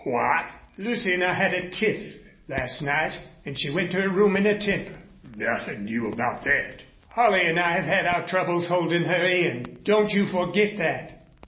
"What!" "Lucy and I had a tiff last night and she went to her room in a temper." "Nothin' new about thet." "Holley and I have had our troubles holding her in. Don't you forget that."